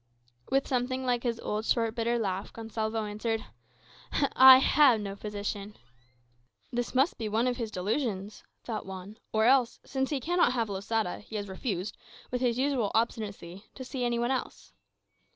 With something like his old short, bitter laugh, Gonsalvo answered "I have no physician." "This must be one of his delusions," thought Juan; "or else, since he cannot have Losada, he has refused, with his usual obstinacy, to see any one else."